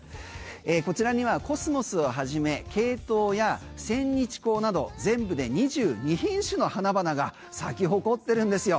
こちらにはコスモスを始めケイトウやセンニチコウなど全部で２２品種の花々が咲き誇ってるんですよ。